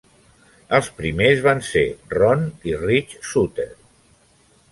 Els primers van ser Ron i Rich Sutter.